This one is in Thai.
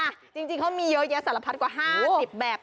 จริงเขามีเยอะแยะสารพัดกว่า๕๐แบบ